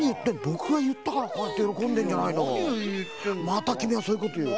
またきみはそういうこという。